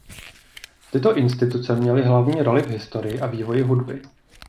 Tyto instituce měly hlavní roli v historii a vývoji hudby.